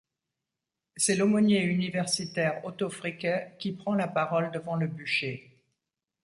C'est l'aumônier universitaire Otto Fricke qui prend la parole devant le bûcher.